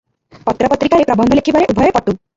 ପତ୍ର ପତ୍ରିକାରେ ପ୍ରବନ୍ଧ ଲେଖିବାରେ ଉଭୟେ ପଟୁ ।